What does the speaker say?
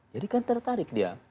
jadi kan tertarik dia